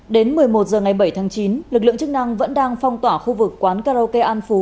đến một mươi một h ngày bảy tháng chín lực lượng chức năng vẫn đang phong tỏa khu vực quán karaoke an phú